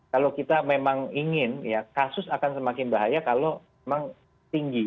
kalau kita memang ingin ya kasus akan semakin bahaya kalau memang tinggi